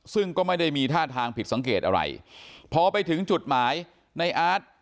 ซึ่งก็ไม่ได้มีท่าทางผิดสังเกตอะไรพอไปถึงจุดหมายในอาร์ต